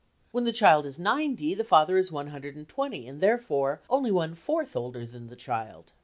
When the child is ninety the father is one hundred and twenty, and therefore only one fourth older than the child.